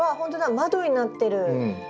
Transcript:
窓になってる。